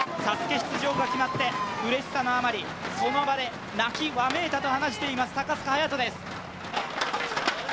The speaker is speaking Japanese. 出場が決まって、うれしさのあまりその場で泣きわめいたと話しています高須賀隼です。